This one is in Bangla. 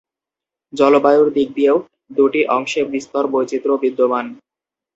জলবায়ুর দিক দিয়েও দুটি অংশে বিস্তর বৈচিত্র্য বিদ্যমান।